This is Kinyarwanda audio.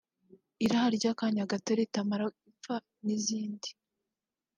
‘Iraha ry’akanya gato ritamara ipfa’ n’izindi